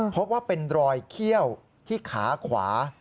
พบว่าเป็นรอยเขี้ยวที่ขาขวา